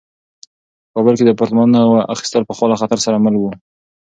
په کابل کې د اپارتمانونو اخیستل پخوا له خطر سره مل وو.